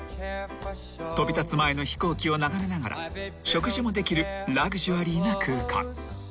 ［飛び立つ前の飛行機を眺めながら食事もできるラグジュアリーな空間］